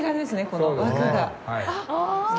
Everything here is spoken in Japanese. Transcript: この枠が。